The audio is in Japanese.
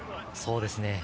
そうですね。